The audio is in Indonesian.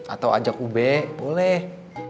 atau ajak ube boleh